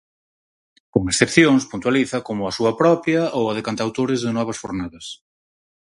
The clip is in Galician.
Con excepcións, puntualiza, como a súa propia ou a de cantautores de novas fornadas.